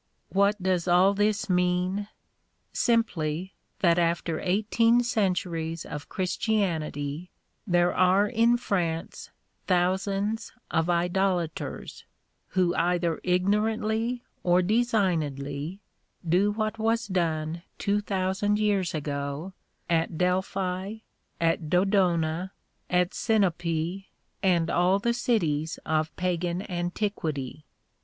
What does all this mean? Simply, that after eighteen centuries of Chris tianity, there are in France thousands of idolaters, who either ignorantly or designedly do what was done two thousand years ago at Delphi, at Dodona, at Sinope, and all the cities of pagan antiquity.